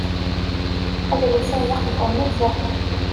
Adlis-a d aqbuṛ nezzeh.